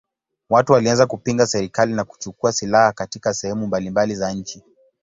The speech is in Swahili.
Watu walianza kupinga serikali na kuchukua silaha katika sehemu mbalimbali za nchi.